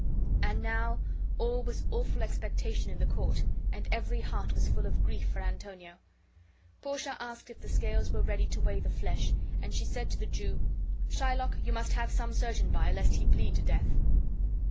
And now all was awful expectation in the court, and every heart was full of grief for Antonio. Portia asked if the scales were ready to weigh the flesh; and she said to the Jew, "Shylock, you must have some surgeon by, lest he bleed to death."